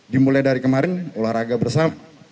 dimulai dari kemarin olahraga bersama